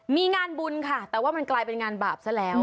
มีงานบุญค่ะแต่ว่ามันกลายเป็นงานบาปซะแล้ว